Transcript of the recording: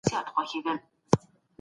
موږ به د پېښې په اړه معلومات راټولوو.